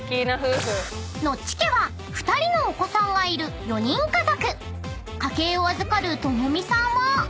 ［ノッチ家は２人のお子さんがいる４人家族］